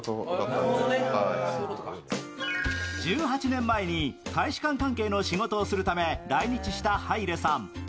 １８年前に大使館関係の仕事をするため来日したハイレさん。